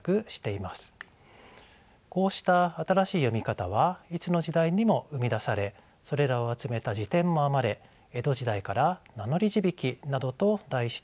こうした新しい読み方はいつの時代にも生み出されそれらを集めた辞典も編まれ江戸時代から「名乗字引」などと題して出版されています。